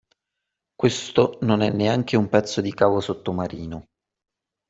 Questo non è neanche un pezzo di cavo sottomarino.